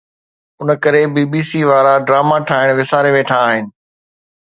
ان ڪري B B C وارا drama ٺاهڻ وساري ويٺا آهن